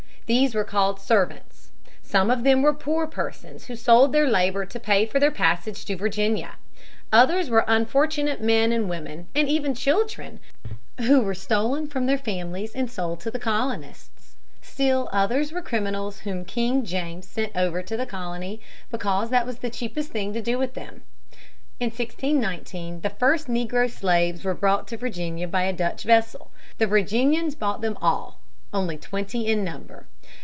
These were called servants. Some of them were poor persons who sold their labor to pay for their passage to Virginia. Others were unfortunate men and women and even children who were stolen from their families and sold to the colonists. Still others were criminals whom King James sent over to the colony because that was the cheapest thing to do with them. In 1619 the first negro slaves were brought to Virginia by a Dutch vessel. The Virginians bought them all only twenty in number.